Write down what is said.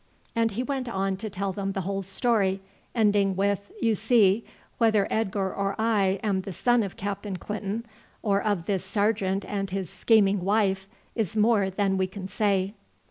And he went on to tell them the whole story, ending with "You see, whether Edgar or I am the son of Captain Clinton, or of this sergeant and his scheming wife, is more than we can say."